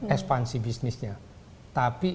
ekspansi bisnisnya tapi